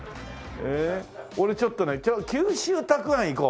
俺ちょっとね九州たくあんいこう。